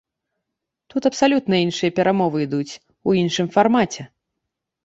Тут абсалютна іншыя перамовы ідуць, у іншым фармаце.